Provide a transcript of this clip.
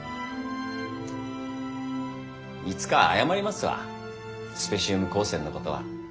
いつか謝りますわスペシウム光線のことは。